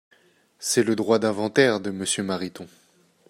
C’est le droit d’inventaire de Monsieur Mariton